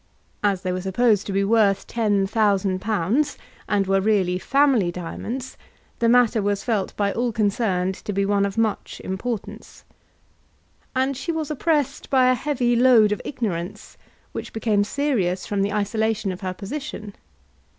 As they were supposed to be worth £10,000, and were really family diamonds, the matter was felt by all concerned to be one of much importance. And she was oppressed by a heavy load of ignorance, which became serious from the isolation of her position.